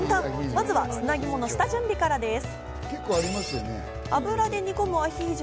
まずは砂肝の下準備からです。